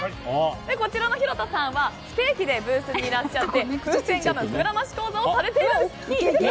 こちらの弘田さんは不定期でブースにいらっしゃってふせんガムふくらまし講座をされているんです。